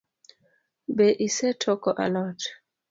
Be isetoko alot?